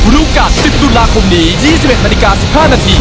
รู้กัด๑๐ตุลาคมนี้๒๑นาฬิกา๑๕นาที